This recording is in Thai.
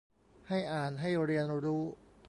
ให้อ่านให้เรียนรู้